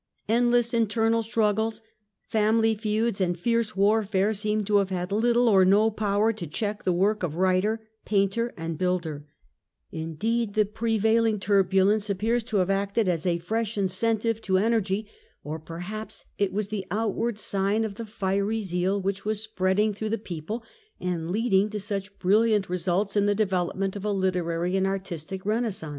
Endless internal struggles, family feuds and fierce warfare seem to have had little or no power to check the work of writer, painter or builder : indeed the prevailing turbulence appears to 3 34 THE END OF THE MIDDLE AGE have acted as a fresh incentive to energy, or perhaps it was the outward sign of the fiery zeal which was spreading through the people and leading to such briUiant results in the development of a literary and artistic re naissance.